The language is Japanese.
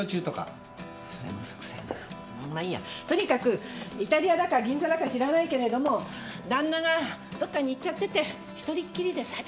とにかくイタリアだか銀座だか知らないけれども旦那がどっかに行っちゃってて１人っきりで寂しいと。